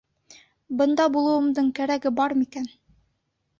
Бында булыуымдың кәрәге бар микән?